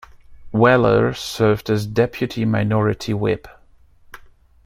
Weller served as Deputy Minority Whip.